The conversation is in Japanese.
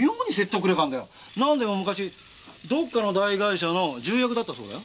なんでも昔どっかの大会社の重役だったそうだよ。